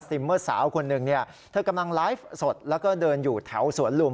เมอร์สาวคนหนึ่งเนี่ยเธอกำลังไลฟ์สดแล้วก็เดินอยู่แถวสวนลุม